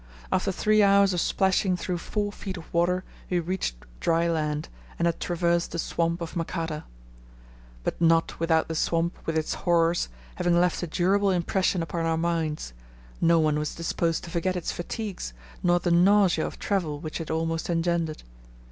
After three hours of splashing through four feet of water we reached dry land, and had traversed the swamp of Makata. But not without the swamp with its horrors having left a durable impression upon our minds; no one was disposed to forget its fatigues, nor the nausea of travel which it almost engendered.